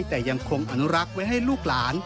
แต่ยังคงอนุรักษ์ไว้ให้ลูกหลาน